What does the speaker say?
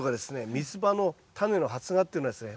ミツバのタネの発芽っていうのはですね